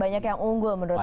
banyak yang unggul menurut